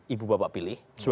ibu bapak pilih